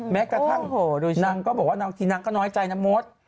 แม้กระทั่งนางก็บอกว่าบางทีนางก็น้อยใจนะมด